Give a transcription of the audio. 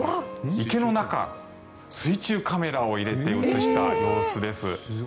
池の中、水中カメラを入れて映した様子です。